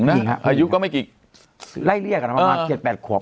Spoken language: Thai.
หายแล้วหรอ